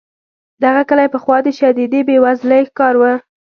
دغه کلی پخوا د شدیدې بې وزلۍ ښکار و.